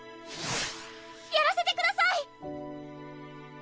やらせてください！